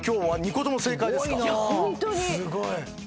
すごいな。